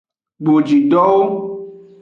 Bojidowo.